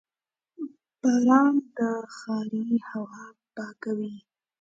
• باران د ښاري هوا پاکوي.